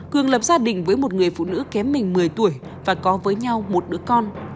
cường lập gia đình với một người phụ nữ kém mình một mươi tuổi và có với nhau một đứa con